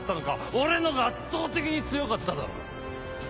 俺のが圧倒的に強かっただろ。